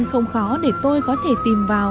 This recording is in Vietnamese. không khó để tôi có thể tìm vào